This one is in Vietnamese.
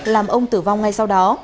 làm ông tử vong ngay sau đó